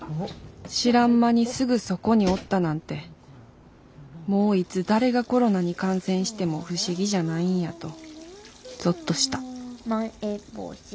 知らん間にすぐそこにおったなんてもういつ誰がコロナに感染しても不思議じゃないんやとゾッとしたまん延防止。